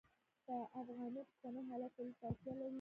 د افغانیت اوسني حالت تللو ته اړتیا لري.